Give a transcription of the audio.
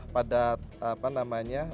pada apa namanya